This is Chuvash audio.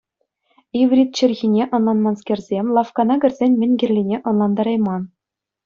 Иврит чӗлхине ӑнланманскерсем лавккана кӗрсен мӗн кирлине ӑнлантарайман.